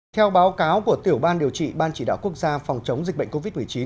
theo báo cáo của tiểu ban điều trị ban chỉ đạo quốc gia phòng chống dịch bệnh covid một mươi chín